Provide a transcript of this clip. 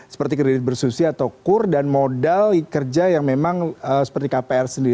seperti kredit bersusi atau kur dan modal kerja yang memang seperti kpr sendiri